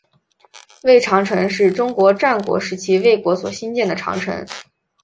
魏长城是中国战国时期魏国所兴建的长城。